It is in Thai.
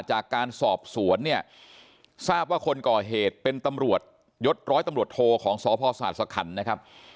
จากการสอบสวนเนี่ยทราบว่าคนก่อเหตุเป็นตำรวจยศร้อยตำรวจโทของสพศาสสคันนะครับ